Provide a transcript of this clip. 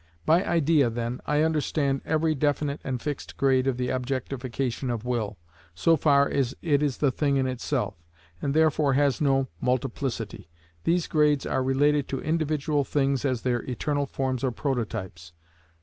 By Idea, then, I understand every definite and fixed grade of the objectification of will, so far as it is thing in itself, and therefore has no multiplicity. These grades are related to individual things as their eternal forms or prototypes.